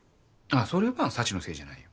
それは幸のせいじゃないよ。